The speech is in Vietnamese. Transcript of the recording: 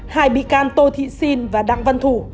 hai bị can tô thị xin và đặng văn thủ